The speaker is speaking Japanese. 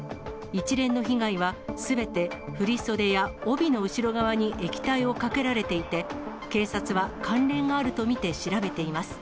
一連の被害は、すべて振り袖や帯の後ろ側に液体をかけられていて、警察は関連があると見て調べています。